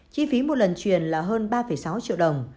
chi phí một lần truyền là hơn ba sáu triệu đồng